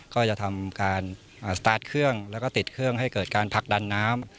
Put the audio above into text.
ก็จะทำการสตาร์ทเครื่องแล้วก็ติดเครื่องให้เกิดการผลักดันน้ำ